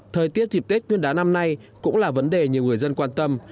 thời tiết dịp tết nguyên đá năm nay cũng là vấn đề nhiều người dân quan tâm